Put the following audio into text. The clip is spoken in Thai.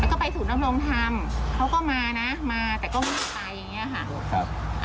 แล้วก็ไปศูนย์ดำรงธรรมเขาก็มานะมาแต่ก็วิ่งไปอย่างนี้ค่ะ